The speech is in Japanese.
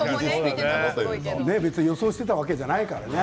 別に予想していたわけじゃないからね。